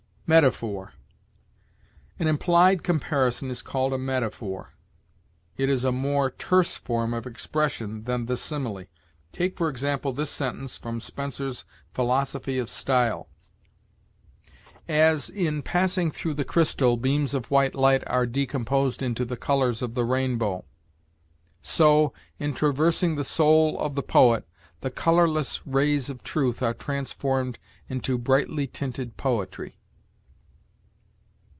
METAPHOR. An implied comparison is called a metaphor; it is a more terse form of expression than the simile. Take, for example, this sentence from Spenser's "Philosophy of Style": "As, in passing through the crystal, beams of white light are decomposed into the colors of the rainbow; so, in traversing the soul of the poet, the colorless rays of truth are transformed into brightly tinted poetry."